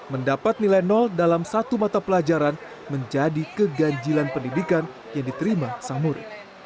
mendapat nilai nol dalam satu mata pelajaran menjadi keganjilan pendidikan yang diterima sang murid